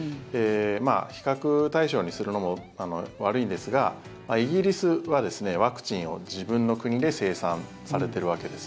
比較対象にするのも悪いんですがイギリスはワクチンを自分の国で生産されているわけです。